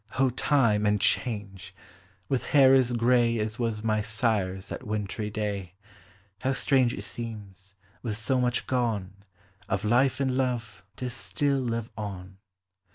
O Time and Change!— with hair as gray As was my sire's that wintry day, How strange it seems, with so much gone Of life and love, to still live on!